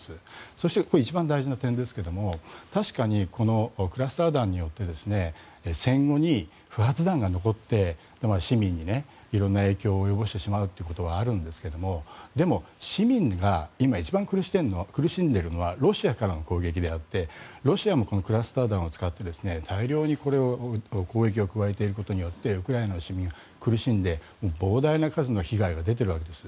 そして、一番大事な点ですが確かにクラスター弾によって戦後に不発弾が残って市民に色んな影響を及ぼしてしまうということはあるんですがでも、市民が今一番苦しんでいるのはロシアからの攻撃であってロシアもクラスター弾を使って大量に攻撃を加えていることによってウクライナの市民は苦しんで膨大な数の被害が出ているわけです。